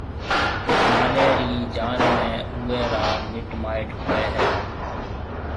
لاڏَي رِي جان ۾ اوئيَ را مِٽ مائيٽ ھوئيَ ھيََََ